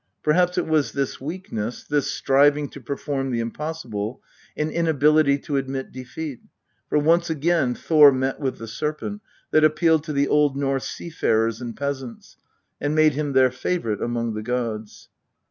Perhaps it was this weakness, this striving to perform the impossible, and inability to admit defeat for once again Thor met with the Serpent that appealed to the Old Norse seafarers and peasants, and made him their favourite among the gods.